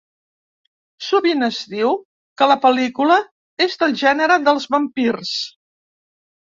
Sovint es diu que la pel·lícula és del gènere dels vampirs.